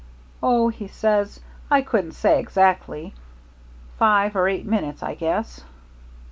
'Oh,' he says, 'I couldn't say exactly. Five or eight minutes, I guess.'